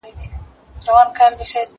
غورځولو ته د پلار یې ځان تیار کړ